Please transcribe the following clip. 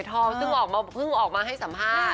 ซึ่งพึ่งออกมาให้สัมภาท